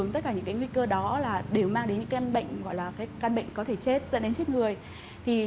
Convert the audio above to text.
tất cả những nguy cơ đó đều mang đến những can bệnh có thể chết dẫn đến chết người